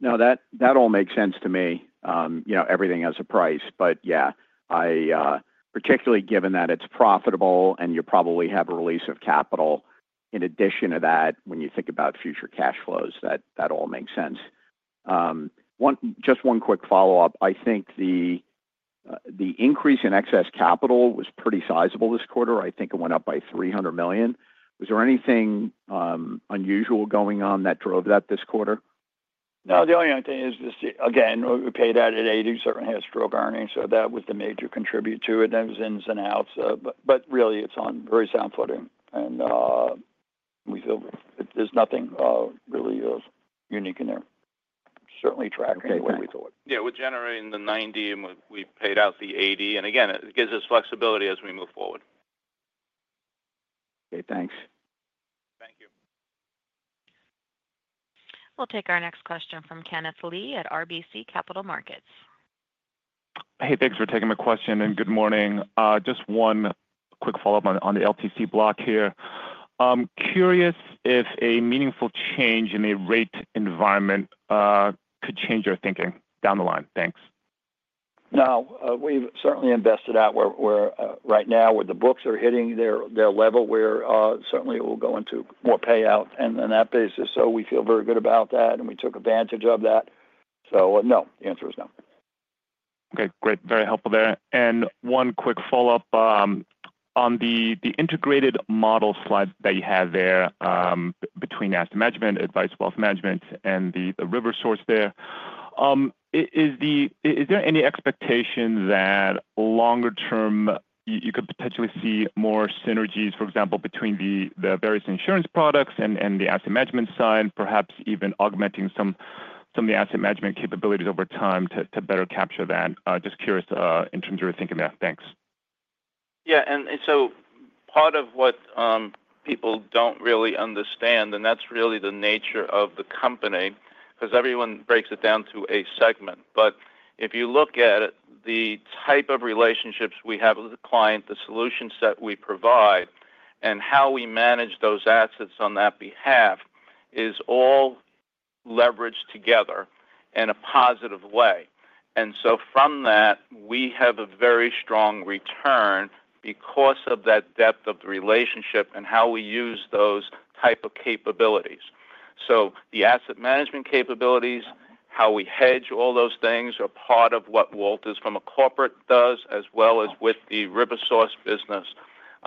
No, that, that all makes sense to me. You know, everything has a price, but yeah, I, particularly given that it's profitable and you probably have a release of capital, in addition to that, when you think about future cash flows, that, that all makes sense. Just one quick follow-up. I think the increase in excess capital was pretty sizable this quarter. I think it went up by $300 million. Was there anything unusual going on that drove that this quarter? No, the only thing is just, again, we paid out at eighty, so it has drove earnings, so that was the major contribute to it. Then it was ins and outs, but really, it's on very sound footing, and we feel there's nothing really unique in there. Certainly tracking the way we thought. Yeah, we're generating the 90, and we paid out the 80. And again, it gives us flexibility as we move forward. Okay, thanks. Thank you. We'll take our next question from Kenneth Lee at RBC Capital Markets. Hey, thanks for taking my question, and good morning. Just one quick follow-up on the LTC block here. I'm curious if a meaningful change in the rate environment could change your thinking down the line? Thanks. No, we've certainly invested out where right now, where the books are hitting their level, where certainly we'll go into more payout and on that basis. So we feel very good about that, and we took advantage of that. So, no, the answer is no. Okay, great. Very helpful there. And one quick follow-up on the integrated model slide that you have there, between asset management, advice, wealth management, and the RiverSource there. Is there any expectation that longer term, you could potentially see more synergies, for example, between the various insurance products and the asset management side, perhaps even augmenting some of the asset management capabilities over time to better capture that? Just curious, in terms of your thinking on that. Thanks. Yeah, and, and so part of what, people don't really understand, and that's really the nature of the company, 'cause everyone breaks it down to a segment. But if you look at it, the type of relationships we have with the client, the solution set we provide, and how we manage those assets on that behalf, is all leveraged together in a positive way. And so from that, we have a very strong return because of that depth of the relationship and how we use those type of capabilities. So the asset management capabilities, how we hedge all those things, are part of what Walter's from a corporate does, as well as with the RiverSource business.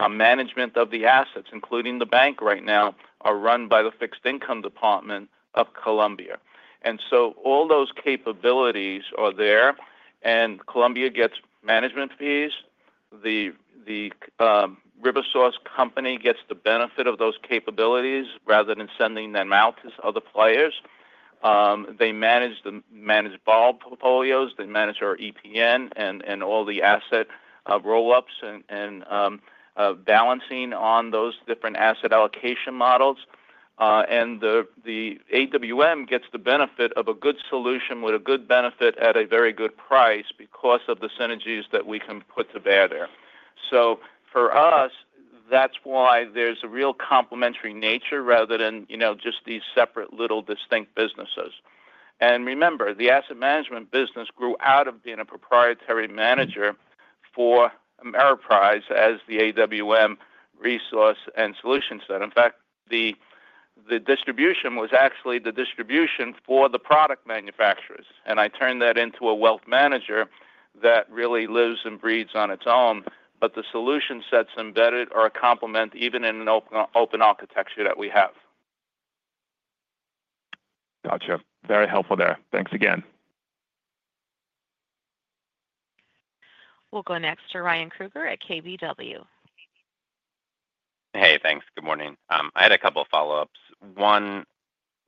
Management of the assets, including the bank right now, are run by the fixed income department of Columbia. And so all those capabilities are there, and Columbia gets management fees. The RiverSource company gets the benefit of those capabilities, rather than sending them out to other players. They manage all portfolios, they manage our EPN and all the asset roll-ups and balancing on those different asset allocation models. And the AWM gets the benefit of a good solution with a good benefit at a very good price because of the synergies that we can put to bear there. So for us, that's why there's a real complementary nature rather than, you know, just these separate little distinct businesses. And remember, the asset management business grew out of being a proprietary manager for Ameriprise as the AWM resource and solution set. In fact, the distribution was actually the distribution for the product manufacturers, and I turned that into a wealth manager that really lives and breeds on its own, but the solution sets embedded are a complement, even in an open architecture that we have. Gotcha. Very helpful there. Thanks again. We'll go next to Ryan Krueger at KBW. Hey, thanks. Good morning. I had a couple of follow-ups. One,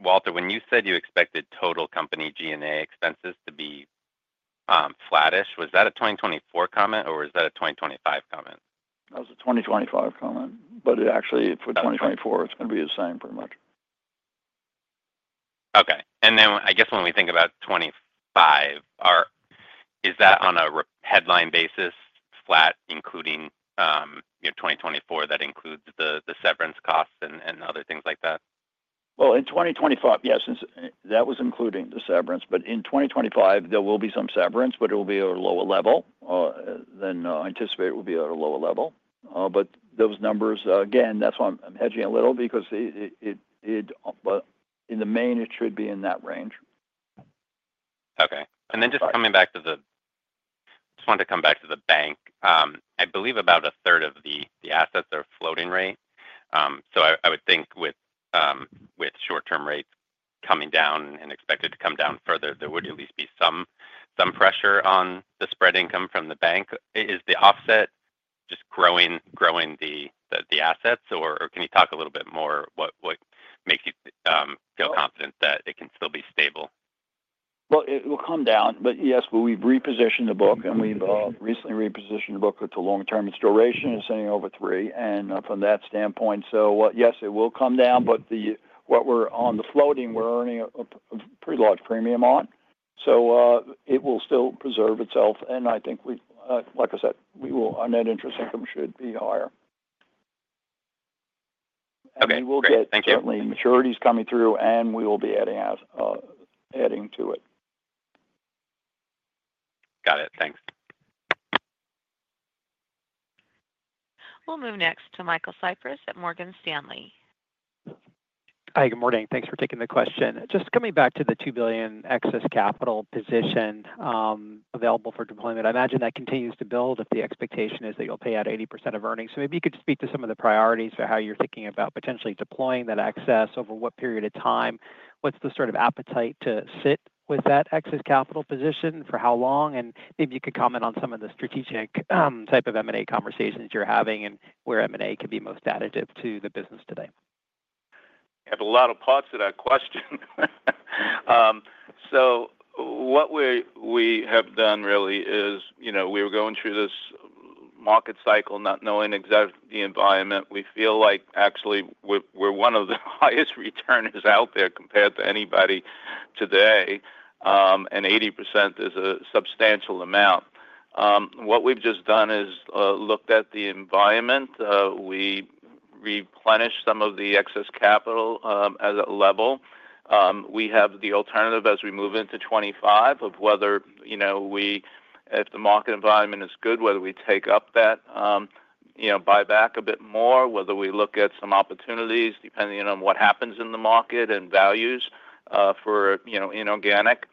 Walter, when you said you expected total company G&A expenses to be flattish, was that a 2024 comment or was that a 2025 comment? That was a 2025 comment, but actually for 2024, it's going to be the same, pretty much. Okay. And then I guess when we think about 2025, is that on a reported headline basis flat, including, you know, 2024, that includes the severance costs and other things like that? In 2025, yes, that was including the severance, but in 2025, there will be some severance, but it will be at a lower level than anticipated. But those numbers, again, that's why I'm hedging a little because, but in the main, it should be in that range. Okay. And then just coming back to the bank. Just wanted to come back to the bank. I believe about a third of the assets are floating rate. So I would think with short-term rates coming down and expected to come down further, there would at least be some pressure on the spread income from the bank. Is the offset just growing the assets, or can you talk a little bit more, what makes you feel confident that it can still be stable? ... Well, it will come down, but yes, we've repositioned the book, and we've recently repositioned the book to long-term duration and extending over three. And from that standpoint, yes, it will come down, but what we're on the floating, we're earning a pretty large premium on. So, it will still preserve itself, and I think, like I said, our net interest income should be higher. Okay, great. Thank you. Certainly, maturities coming through, and we will be adding to it. Got it. Thanks. We'll move next to Michael Cyprys at Morgan Stanley. Hi, good morning. Thanks for taking the question. Just coming back to the $2 billion excess capital position, available for deployment, I imagine that continues to build if the expectation is that you'll pay out 80% of earnings. So maybe you could just speak to some of the priorities for how you're thinking about potentially deploying that excess, over what period of time, what's the sort of appetite to sit with that excess capital position, for how long, and maybe you could comment on some of the strategic, type of M&A conversations you're having and where M&A could be most additive to the business today. have a lot of parts to that question. So what we have done really is, you know, we were going through this market cycle not knowing exactly the environment. We feel like actually we're one of the highest returners out there compared to anybody today, and 80% is a substantial amount. What we've just done is looked at the environment. We replenished some of the excess capital as a level. We have the alternative as we move into 2025, of whether, you know, if the market environment is good, whether we take up that, you know, buy back a bit more, whether we look at some opportunities, depending on what happens in the market and values for, you know, inorganic.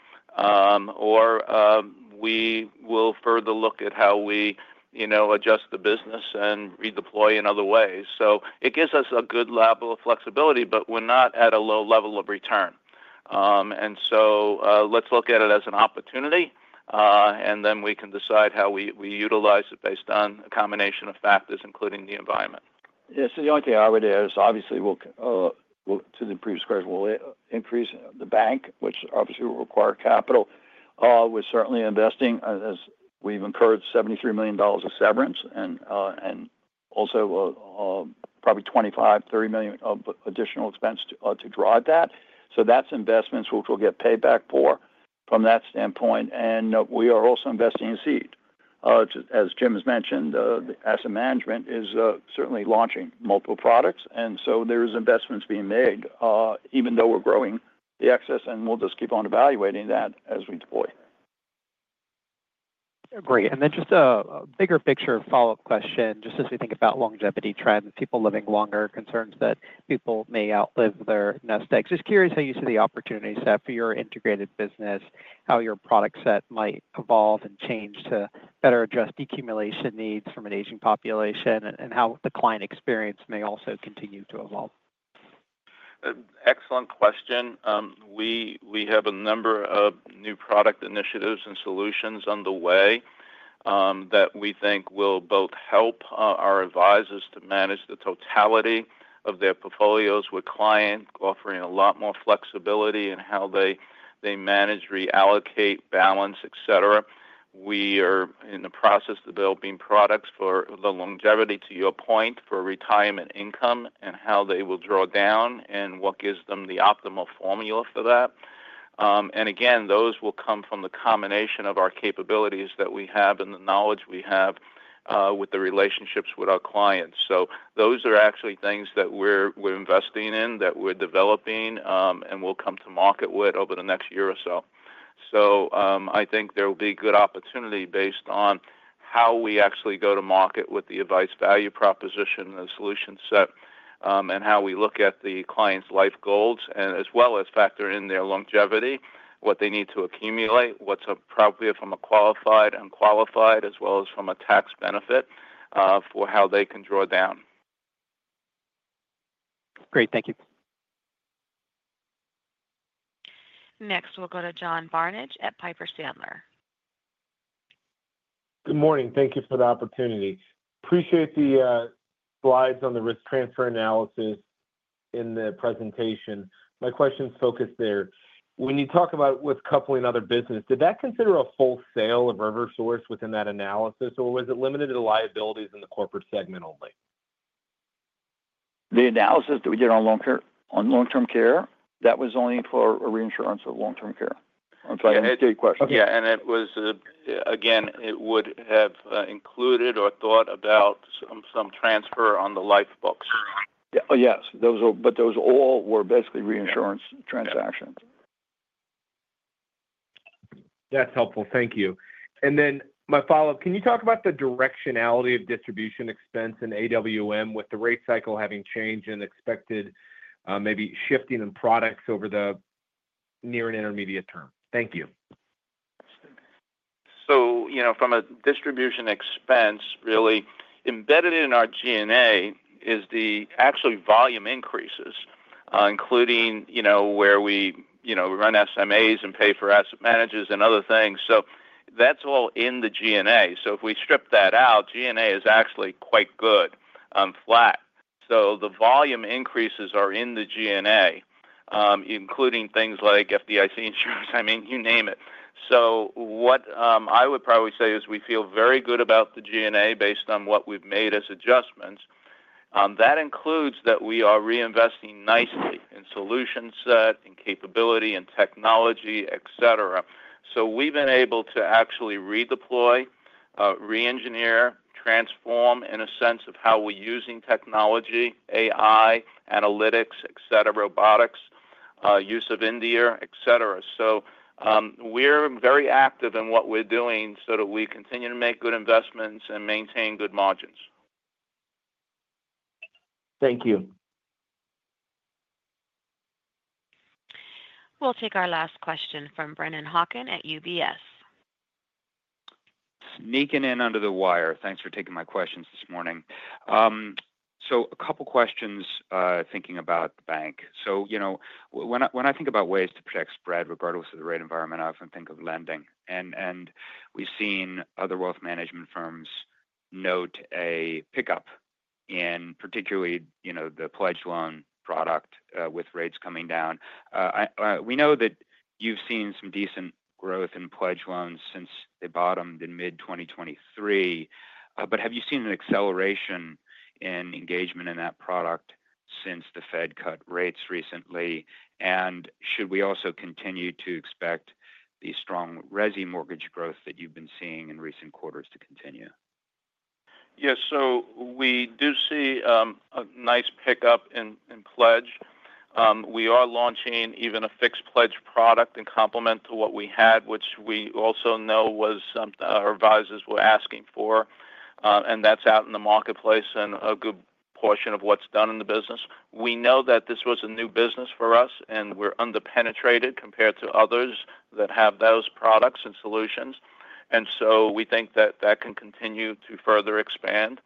We will further look at how we, you know, adjust the business and redeploy in other ways, so it gives us a good level of flexibility, but we're not at a low level of return, and so let's look at it as an opportunity, and then we can decide how we utilize it based on a combination of factors, including the environment. Yes, the only thing I would add is, obviously, we'll add to the previous question, we'll increase the bank, which obviously will require capital. We're certainly investing, as we've incurred $73 million of severance and also probably $25-$30 million of additional expense to drive that. So that's investments which we'll get paid back for from that standpoint, and we are also investing in seed. As Jim has mentioned, the asset management is certainly launching multiple products, and so there's investments being made, even though we're growing the excess, and we'll just keep on evaluating that as we deploy. Great. And then just a bigger picture follow-up question, just as we think about longevity trends, people living longer, concerns that people may outlive their nest eggs. Just curious how you see the opportunity set for your integrated business, how your product set might evolve and change to better address the accumulation needs from an aging population, and how the client experience may also continue to evolve? Excellent question. We have a number of new product initiatives and solutions on the way, that we think will both help our advisors to manage the totality of their portfolios with client, offering a lot more flexibility in how they manage, reallocate, balance, et cetera. We are in the process of developing products for the longevity, to your point, for retirement income and how they will draw down, and what gives them the optimal formula for that, and again, those will come from the combination of our capabilities that we have and the knowledge we have with the relationships with our clients, so those are actually things that we're investing in, that we're developing, and we'll come to market with over the next year or so. I think there will be good opportunity based on how we actually go to market with the advice value proposition and solution set, and how we look at the client's life goals, and as well as factor in their longevity, what they need to accumulate, what's appropriate from a qualified and non-qualified, as well as from a tax benefit, for how they can draw down. Great. Thank you. Next, we'll go to John Barnidge at Piper Sandler. Good morning. Thank you for the opportunity. Appreciate the slides on the risk transfer analysis in the presentation. My question is focused there. When you talk about with coupling other business, did that consider a full sale of RiverSource within that analysis, or was it limited to the liabilities in the corporate segment only? The analysis that we did on long care-- on long-term care, that was only for a reinsurance of long-term care. I'm sorry, I didn't get your question. Yeah, and it was, again, it would have included or thought about some transfer on the life books. Yeah. Yes, those are, but those all were basically reinsurance transactions. That's helpful. Thank you. And then my follow-up, can you talk about the directionality of distribution expense in AWM, with the rate cycle having changed and expected, maybe shifting in products over the near and intermediate term? Thank you. So, you know, from a distribution expense, really embedded in our G&A is the actual volume increases, including, you know, where we, you know, run SMAs and pay for asset managers and other things. So that's all in the G&A. So if we strip that out, G&A is actually quite good, flat. So the volume increases are in the G&A, including things like FDIC insurance, I mean, you name it. So what I would probably say is we feel very good about the G&A based on what we've made as adjustments. That includes that we are reinvesting nicely in solution set, in capability, in technology, et cetera. So we've been able to actually redeploy, re-engineer, transform, in a sense of how we're using technology, AI, analytics, et cetera, robotics, use of India, et cetera. So, we're very active in what we're doing so that we continue to make good investments and maintain good margins. Thank you. We'll take our last question from Brennan Hawken at UBS. Sneaking in under the wire. Thanks for taking my questions this morning. So a couple questions, thinking about the bank. So, you know, when I think about ways to protect spread regardless of the rate environment, I often think of lending. And we've seen other wealth management firms note a pickup in particularly, you know, the pledge loan product, with rates coming down. We know that you've seen some decent growth in pledge loans since they bottomed in mid 2023, but have you seen an acceleration in engagement in that product since the Fed cut rates recently? And should we also continue to expect the strong resi mortgage growth that you've been seeing in recent quarters to continue? Yes. So we do see a nice pickup in pledge. We are launching even a fixed pledge product in complement to what we had, which we also know was something our advisors were asking for, and that's out in the marketplace and a good portion of what's done in the business. We know that this was a new business for us, and we're under-penetrated compared to others that have those products and solutions, and so we think that that can continue to further expand.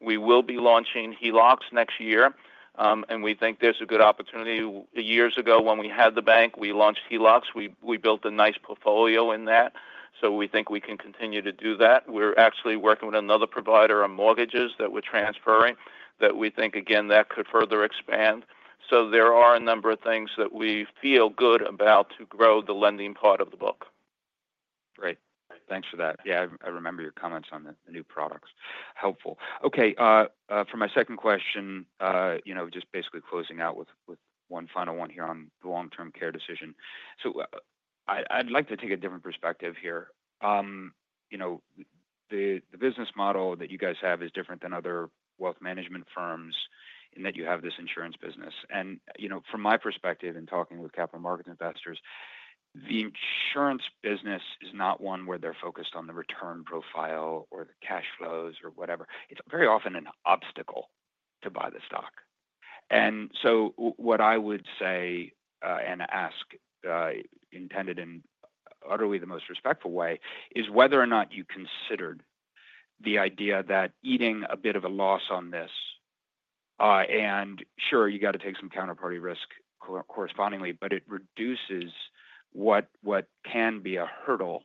We will be launching HELOCs next year, and we think there's a good opportunity. Years ago, when we had the bank, we launched HELOCs. We built a nice portfolio in that, so we think we can continue to do that. We're actually working with another provider on mortgages that we're transferring, that we think, again, that could further expand. So there are a number of things that we feel good about to grow the lending part of the book. Great. Thanks for that. Yeah, I remember your comments on the new products. Helpful. Okay, for my second question, you know, just basically closing out with one final one here on the long-term care decision. So I'd like to take a different perspective here. You know, the business model that you guys have is different than other wealth management firms, in that you have this insurance business. And, you know, from my perspective in talking with capital market investors, the insurance business is not one where they're focused on the return profile or the cash flows or whatever. It's very often an obstacle to buy the stock. And so what I would say and ask, intended in utterly the most respectful way, is whether or not you considered the idea that eating a bit of a loss on this, and sure, you got to take some counterparty risk correspondingly, but it reduces what can be a hurdle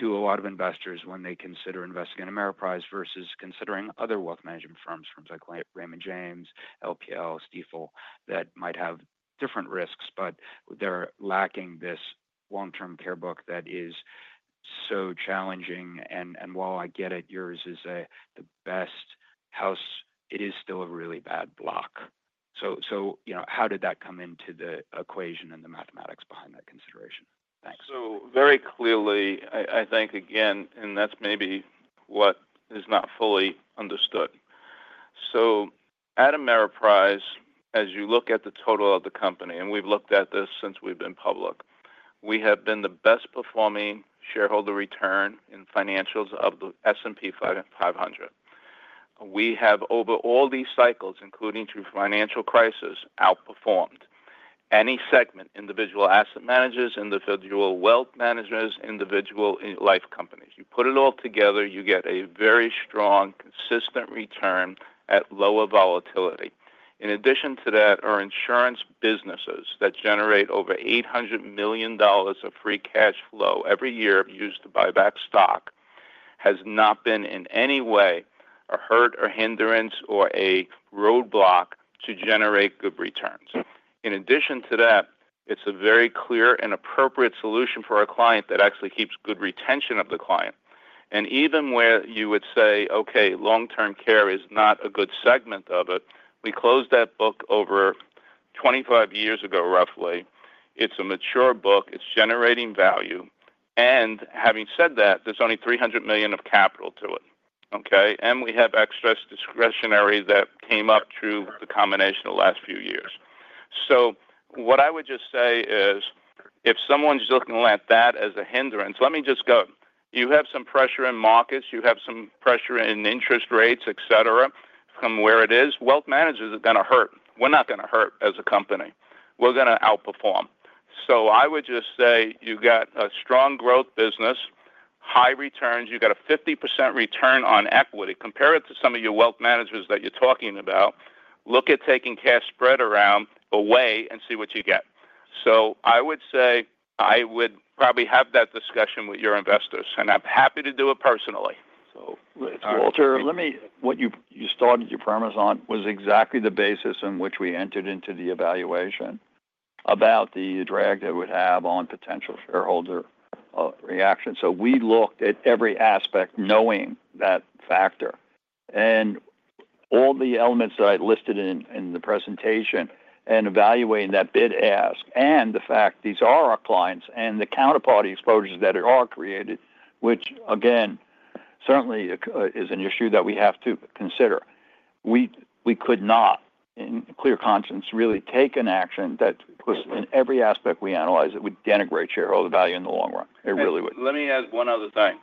to a lot of investors when they consider investing in Ameriprise versus considering other wealth management firms like Raymond James, LPL, Stifel, that might have different risks, but they're lacking this long-term care book that is so challenging. And while I get it, yours is the best house, it is still a really bad block. So you know, how did that come into the equation and the mathematics behind that consideration? Thanks. So very clearly, I think, again, and that's maybe what is not fully understood. So at Ameriprise, as you look at the total of the company, and we've looked at this since we've been public, we have been the best performing shareholder return in financials of the S&P 500. We have, over all these cycles, including through financial crisis, outperformed any segment, individual asset managers, individual wealth managers, individual life companies. You put it all together, you get a very strong, consistent return at lower volatility. In addition to that, our insurance businesses that generate over $800 million of free cash flow every year used to buy back stock, has not been, in any way, a hurt or hindrance or a roadblock to generate good returns. In addition to that, it's a very clear and appropriate solution for our client that actually keeps good retention of the client. And even where you would say, "Okay, long-term care is not a good segment of it," we closed that book over 25 years ago, roughly. It's a mature book, it's generating value, and having said that, there's only $300 million of capital to it, okay? And we have excess discretionary that came up through the combination of the last few years. So what I would just say is, if someone's looking at that as a hindrance, let me just go. You have some pressure in markets, you have some pressure in interest rates, et cetera, from where it is, wealth managers are gonna hurt. We're not gonna hurt as a company. We're gonna outperform. So I would just say you've got a strong growth business, high returns, you've got a 50% return on equity. Compare it to some of your wealth managers that you're talking about, look at taking cash sweep program away, and see what you get... So I would say I would probably have that discussion with your investors, and I'm happy to do it personally. So Walter, let me, what you started your premise on was exactly the basis on which we entered into the evaluation about the drag that it would have on potential shareholder reaction. So we looked at every aspect knowing that factor and all the elements that I listed in the presentation and evaluating that bid ask, and the fact these are our clients and the counterparty exposures that are created, which again, certainly, is an issue that we have to consider. We could not, in clear conscience, really take an action that was in every aspect we analyzed, it would denigrate shareholder value in the long run. It really would. Let me add one other thing.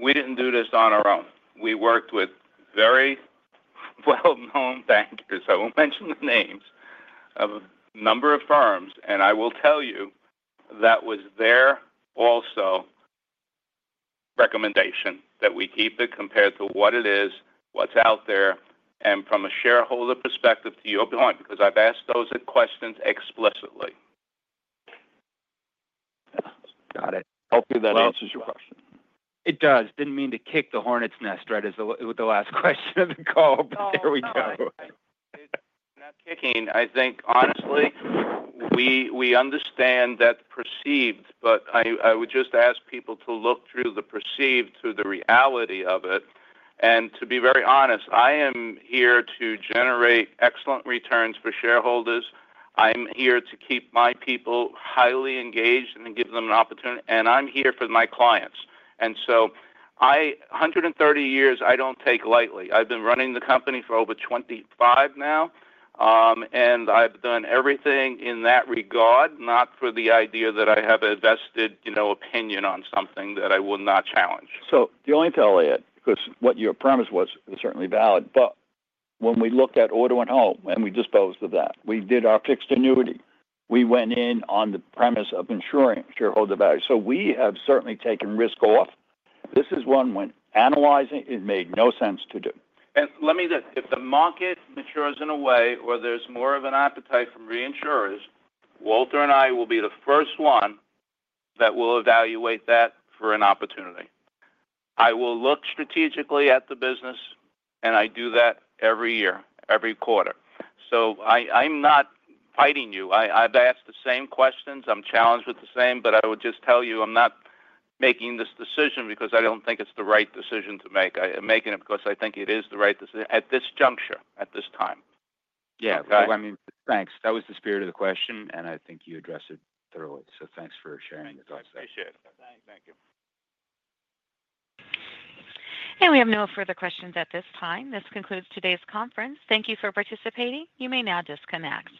We didn't do this on our own. We worked with very well-known bankers, I won't mention the names, of a number of firms, and I will tell you that was their also recommendation that we keep it compared to what it is, what's out there, and from a shareholder perspective to your point, because I've asked those questions explicitly. Got it. Hopefully, that answers your question. It does. Didn't mean to kick the hornet's nest, right, with the last question of the call, but there we go. Not kicking. I think honestly, we understand that's perceived, but I would just ask people to look through the perceived to the reality of it. To be very honest, I am here to generate excellent returns for shareholders. I'm here to keep my people highly engaged and give them an opportunity, and I'm here for my clients, and so I 130 years, I don't take lightly. I've been running the company for over 25 now, and I've done everything in that regard, not for the idea that I have a vested, you know, opinion on something that I will not challenge. So the only telltale, because what your premise was is certainly valid, but when we looked at our Auto and Home and we disposed of that, we did our fixed annuity. We went in on the premise of ensuring shareholder value. So we have certainly taken risk off. This is one when analyzing. It made no sense to do. Let me say this. If the market matures in a way where there's more of an appetite from reinsurers, Walter and I will be the first one that will evaluate that for an opportunity. I will look strategically at the business, and I do that every year, every quarter. So I, I'm not fighting you. I, I've asked the same questions. I'm challenged with the same, but I would just tell you, I'm not making this decision because I don't think it's the right decision to make. I, I'm making it because I think it is the right decision at this juncture, at this time. Yeah. I mean, thanks. That was the spirit of the question, and I think you addressed it thoroughly. So thanks for sharing your thoughts. Appreciate it. Thank you. And we have no further questions at this time. This concludes today's conference. Thank you for participating. You may now disconnect.